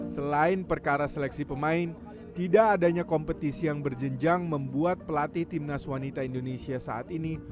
selain perkara seleksi pemain tidak adanya kompetisi yang berjenjang membuat pelatih timnas wanita indonesia saat ini